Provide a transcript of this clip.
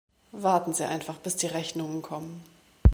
Warten Sie einfach, bis die Rechnungen kommen.